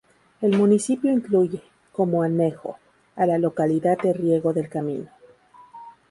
El municipio incluye, como anejo, a la localidad de Riego del Camino.